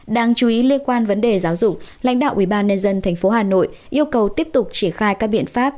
đáng chú ý liên quan vấn đề giáo dục lãnh đạo ubnd tp hà nội yêu cầu tiếp tục triển khai các biện pháp